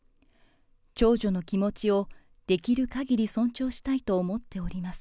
長女の気持ちをできるかぎり尊重したいと思っております。